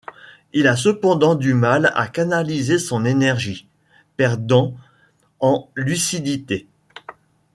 Il a cependant du mal à canaliser son énergie, perdant en lucidité.